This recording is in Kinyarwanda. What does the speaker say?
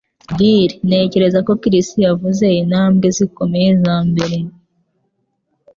DR: Ntekereza ko Chris yavuze intambwe zikomeye zambere.